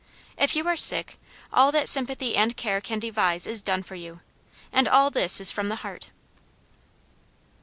If you are sick, all that sympathy and care can devise is done for you, and all this is from the heart.